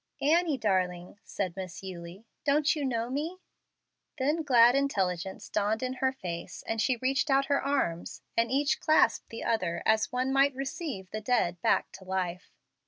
"Annie, darling," said Miss Eulie, "don't you know me?" Then glad intelligence dawned in her face, and she reached out her arms, and each clasped the other as one might receive the dead back to life.